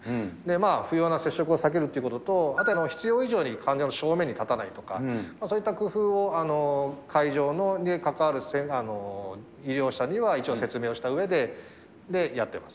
不要な接触を避けるということと、あと必要以上に患者の正面に立たないとか、そういった工夫を会場に関わる医療者には一応説明をしたうえでやってます。